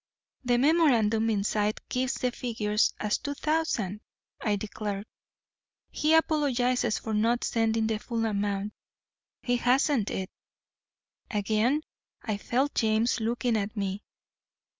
'The memorandum inside gives the figures as two thousand,' I declared. 'He apologises for not sending the full amount. He hasn't it.' Again I felt James looking at me.